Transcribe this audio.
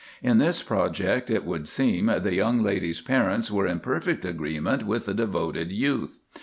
In this project it would seem the young lady's parents were in perfect agreement with the devoted youth.